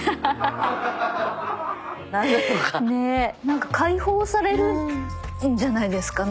なんか解放されるんじゃないですか。